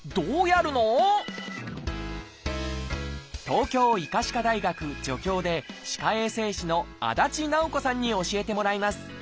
東京医科歯科大学助教で歯科衛生士の安達奈穂子さんに教えてもらいます。